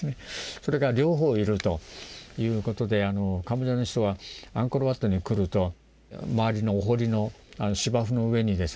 それが両方いるということでカンボジアの人はアンコール・ワットに来ると周りのお堀の芝生の上にですね